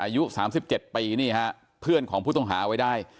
อายุสามสิบเจ็ดปีนี่ฮะเพื่อนของผู้ต้องหาไว้ได้